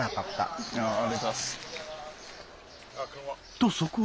とそこへ。